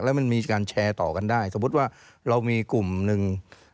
แล้วมันมีการแชร์ต่อกันได้สมมุติว่าเรามีกลุ่มหนึ่ง